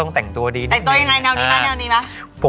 พี่อายกับพี่อ๋อมไม่ได้ครับ